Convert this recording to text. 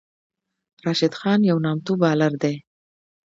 راشد خان یو نامتو بالر دئ.